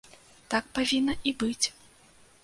Так павінна і быць.